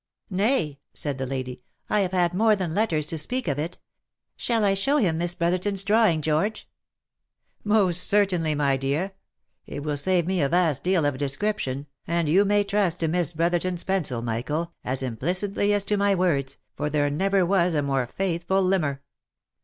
" Nay," said the lady, " I have had more than letters to speak for it. Shall I show him Miss Brotherton's drawing, George ?"" Most certainly, my dear ; it will save me a vast deal of descrip tion, and you may trust to Miss Brotherton's pencil, Michael, as im plicitly as to my words, for there never was a more faithful limner."